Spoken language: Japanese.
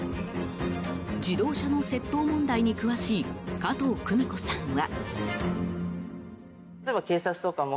自動車の窃盗問題に詳しい加藤久美子さんは。